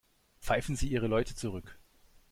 Pfeifen Sie Ihre Leute zurück.